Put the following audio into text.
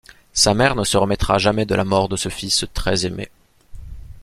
Sa mère ne se remettra jamais de la mort de ce fils très aimé.